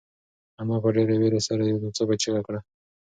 انا په ډېرې وېرې سره یو ناڅاپه چیغه کړه.